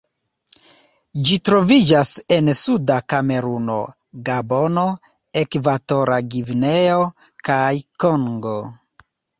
Ĝi troviĝas en suda Kameruno, Gabono, Ekvatora Gvineo, kaj Kongo.